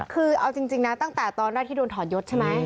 คือเอาจริงนะตั้งแต่ตอนแรกที่โดนถอดยศใช่ไหม